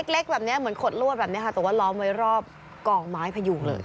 เล็กแบบนี้เหมือนขดลวดแบบนี้ค่ะแต่ว่าล้อมไว้รอบกองไม้พยุงเลย